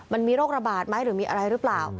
มันมีโรคระบาดไหมหรือมีอะไรหรือเปล่า